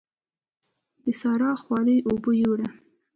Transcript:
د سارا خواري اوبو يوړه.